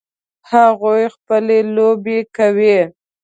هغوی خپلې لوبې کوي